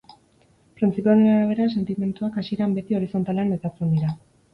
Printzipio honen arabera sedimentuak hasieran beti horizontalean metatzen dira.